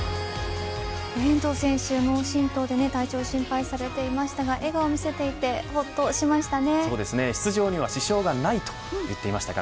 遠藤選手、脳振とうで体調心配されていましたが笑顔を見せていてほっとしました。